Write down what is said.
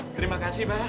terima kasih bang